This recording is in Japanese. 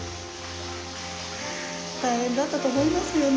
大変だったと思いますよね。